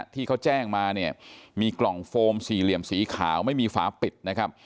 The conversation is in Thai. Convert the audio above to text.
ที่เขาแจ้งมาเนี่ยมีกล่องโฟมสี่เหลี่ยมสีขาวไม่มีฝาปิดนะครับ